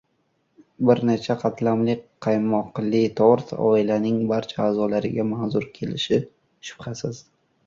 Bir necha qatlamli qaymoqli tort oilaning barcha a’zolariga manzur kelishi shubhasiz